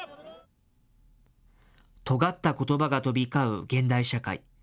とがったことばが飛び交う現代社会。